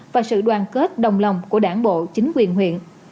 và sự đoàn kết đồng lòng của đảng bộ chính quyền huyện